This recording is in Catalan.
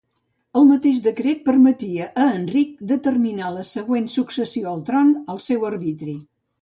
El mateix decret permetia a Enric determinar la següent successió al tron al seu arbitri.